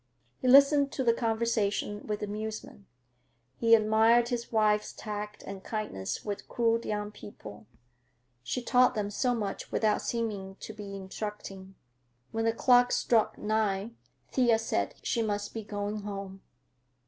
He listened to the conversation with amusement. He admired his wife's tact and kindness with crude young people; she taught them so much without seeming to be instructing. When the clock struck nine, Thea said she must be going home.